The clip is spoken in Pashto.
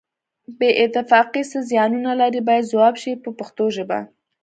بې اتفاقي څه زیانونه لري باید ځواب شي په پښتو ژبه.